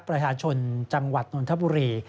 ประชาชนจังหวัดนนทบุรี